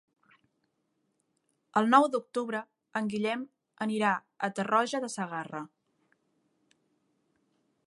El nou d'octubre en Guillem anirà a Tarroja de Segarra.